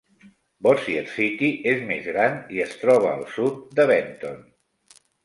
Bossier City és més gran i es troba al sud de Benton.